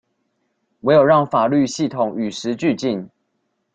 唯有讓法律系統與時俱進